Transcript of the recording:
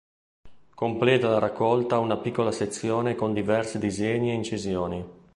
Completa la raccolta una piccola sezione con diversi disegni e incisioni.